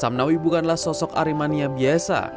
samnawi bukanlah sosok aremania biasa